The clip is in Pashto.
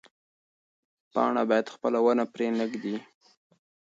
پاڼه باید خپله ونه پرې نه ږدي.